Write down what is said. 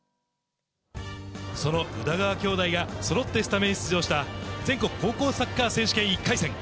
その宇田川兄弟がそろってスタメン出場した全国高校サッカー選手権１回戦。